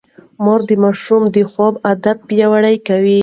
مور د ماشوم د خوب عادت پياوړی کوي.